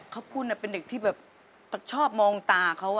ข้าพูดนะเป็นเด็กที่แบบตั๊กชอบมองตาเขา